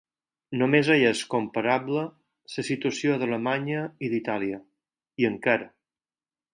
Només hi és comparable la situació d’Alemanya i d’Itàlia, i encara.